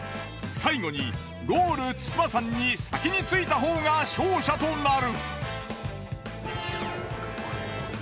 最後にゴール筑波山に先に着いたほうが勝者となる。